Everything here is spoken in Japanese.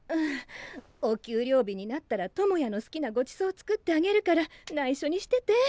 お給料日になったら智也の好きなごちそう作ってあげるからないしょにしてて。